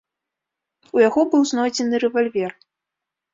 У яго быў знойдзены рэвальвер.